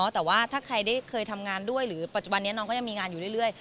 แต่ว่าถ้าใครได้เคยทำงานด้วยหรือปัจจุบันนี้น้องก็ยังมีงานอยู่เรื่อย